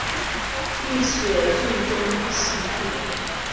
立雪郡东兴郡